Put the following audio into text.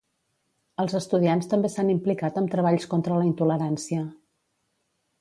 Els estudiants també s'han implicat amb treballs contra la intolerància.